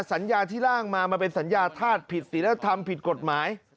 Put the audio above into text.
สัญญาที่ล่างมามันเป็นสัญญาธาตุผิดศิลธรรมผิดกฎหมาย